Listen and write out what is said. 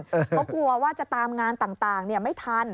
เพราะกลัวว่าจะตามงานต่างไม่ทัน